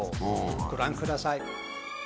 ご覧ください。